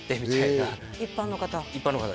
一般の方？